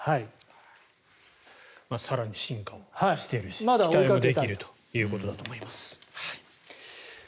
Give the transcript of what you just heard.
更に進化をしていると期待もできるということだと思います。